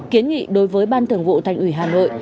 kiến nghị đối với ban thường vụ thành ủy hà nội